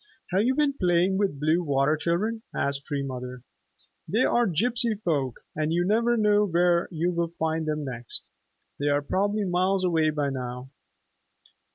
"Have you been playing with Blue Water Children?" asked Tree Mother. "They are gypsy folk and you never know where you will find them next. They are probably miles away by now."